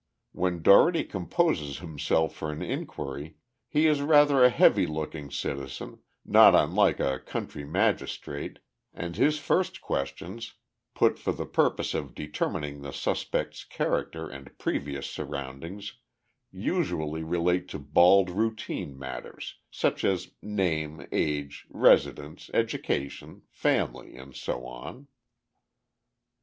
When Dougherty composes himself for an inquiry, he is rather a heavy looking citizen, not unlike a country magistrate, and his first questions, put for the purpose of determining the suspect's character and previous surroundings, usually relate to bald routine matters, such as name, age, residence, education, family, and so on.